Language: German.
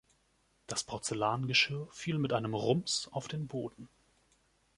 Das Porzellangeschirr fiel mit einem Rums auf den Boden.